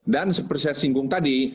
dan seperti saya singgung tadi